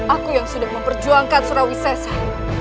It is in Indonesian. aku yang sudah memperjuangkan surawi sesa